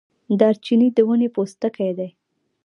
دارچینی د ونې پوستکی دی